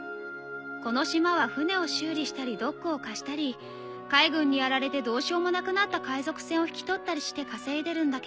この島は船を修理したりドックを貸したり海軍にやられてどうしようもなくなった海賊船を引き取ったりして稼いでるんだけど。